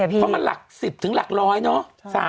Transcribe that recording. เพราะมันหลัก๑๐หลักร้อยเนอะ